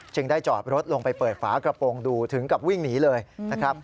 ได้จอดรถลงไปเปิดฝากระโปรงดูถึงกับวิ่งหนีเลยนะครับ